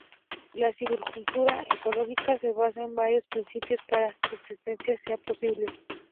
La silvicultura ecológica se basa en varios principios para que su existencia sea posible.